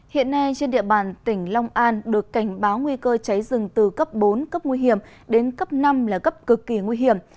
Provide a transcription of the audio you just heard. hiện nay trên địa bàn tỉnh long an được cảnh báo nguy cơ cháy rừng từ cấp bốn cấp nguy hiểm đến cấp năm là cấp cực kỳ nguy hiểm